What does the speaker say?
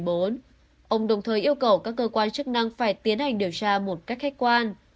ông đồng thời yêu cầu các cơ quan chức năng phải tiến hành điều tra một cách khách quan